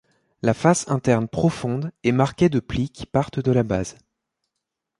La face interne profonde est marquée de plis qui partent de la base.